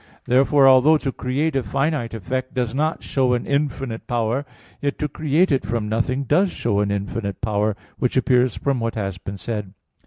Therefore although to create a finite effect does not show an infinite power, yet to create it from nothing does show an infinite power: which appears from what has been said (ad 2).